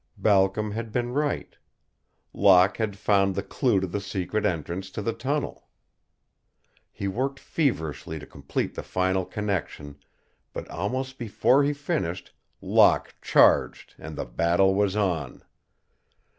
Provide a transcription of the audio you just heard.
Balcom had been right. Locke had found the clue to the secret entrance to the tunnel. He worked feverishly to complete the final connection, but almost before he finished Locke charged and the battle was on.